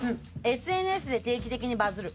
ＳＮＳで定期的にバズる。